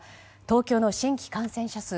東京の新規感染者数